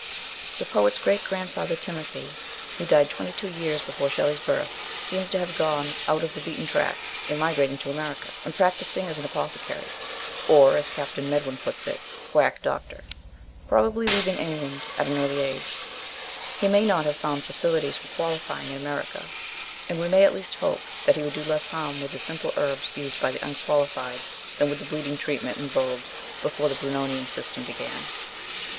The poet's great grandfather Timothy, who died twenty two years before Shelley's birth, seems to have gone out of the beaten track in migrating to America, and practising as an apothecary, or, as Captain Medwin puts it, " quack doctor," probably leaving England at an early age; he may not have found facilities for qualifying in America, and we may at least hope that he would do less harm with the simple herbs used by the unqualified than with the bleeding treatment in vogue before the Brunonian system began.